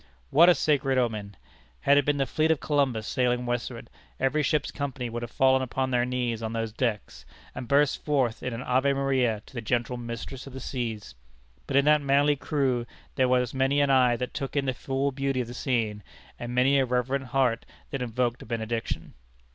What a sacred omen! Had it been the fleet of Columbus sailing westward, every ship's company would have fallen upon their knees on those decks, and burst forth in an Ave Maria to the gentle Mistress of the Seas. But in that manly crew there was many an eye that took in the full beauty of the scene, and many a reverent heart that invoked a benediction.